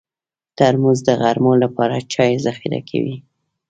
ترموز د غرمو لپاره چای ذخیره کوي.